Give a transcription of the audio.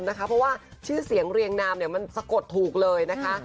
เพราะว่าชื่อเสียงเรียงนามมันสะกดถูกเลยนะคะ